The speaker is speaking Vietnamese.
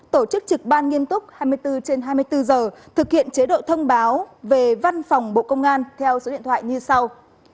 tổ chức trực ban nghiêm túc hai mươi bốn trên hai mươi bốn giờ thực hiện chế độ thông báo về văn phòng bộ công an theo số điện thoại như sau